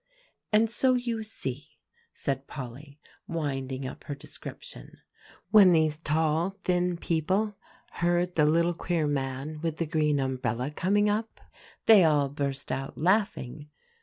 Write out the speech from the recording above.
"And so you see," said Polly, winding up her description, "when these tall, thin people heard the little queer man with the green umbrella coming up, they all burst out laughing.